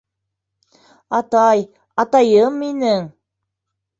Атай, атайым минең!..